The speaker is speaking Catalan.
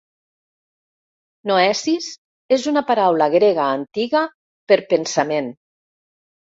"Noesis" és una paraula grega antiga per "pensament".